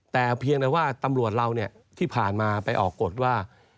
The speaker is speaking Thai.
แต่เพียงแต่ว่าตำรวจเราที่ผ่านมาไปออกกฎว่า